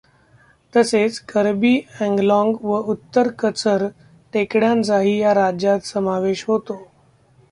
तसेच कर्बी अँगलाँग व उत्तर कचर टेकड्यांचाही या राज्यात समावेश होतो.